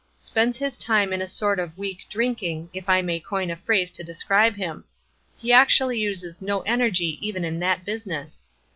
Spends his time in a sort of weak drinking, if I may coin a phrase to describe him; he actually uses no energy even in that business.